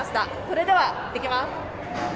それではいってきます。